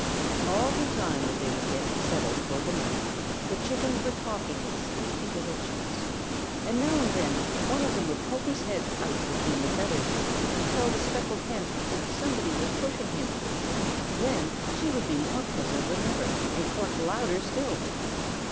All the time that they were getting settled for the night the Chickens were talking in sleepy little cheeps, and now and then one of them would poke his head out between the feathers and tell the Speckled Hen that somebody was pushing him. Then she would be more puzzled than ever and cluck louder still.